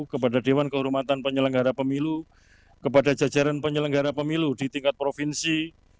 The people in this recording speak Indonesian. kepada dewan kehormatan penyelenggara pemilu kepada jajaran penyelenggara pemilu di tingkat provinsi